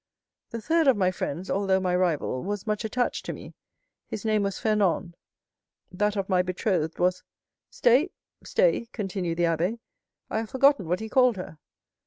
'The third of my friends, although my rival, was much attached to me,—his name was Fernand; that of my betrothed was'—Stay, stay," continued the abbé, "I have forgotten what he called her."